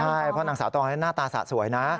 ใช่เพราะนางสาวตองหน้าตาสะสวยนะ